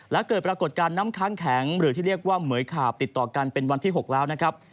และเกิดปรากฏการณ์น้ำค้างแข็งหรือที่เรียกว่าเหมือยขาบติดต่อกันเป็นวันที่๖แล้วนะครับ